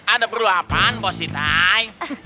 ada perlu apaan bos itai